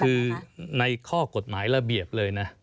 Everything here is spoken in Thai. คือในข้อกฎหมายระเบียบเลยนะ